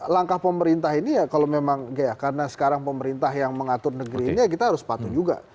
langkah pemerintah ini ya kalau memang karena sekarang pemerintah yang mengatur negeri ini ya kita harus patuh juga